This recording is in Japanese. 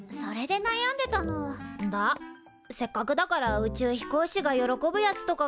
せっかくだから宇宙飛行士が喜ぶやつとかがいんだけっどよ。